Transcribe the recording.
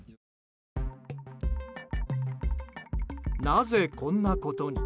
なぜ、こんなことに？